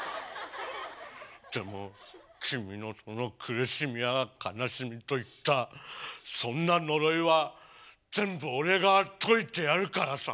でも君のその苦しみや悲しみといったそんな呪いは全部俺が解いてやるからさ。